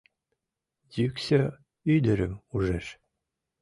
Йӱксӧ ӱдырым ужеш.